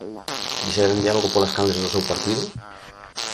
¿Dixéronlle algo polas canles do seu partido?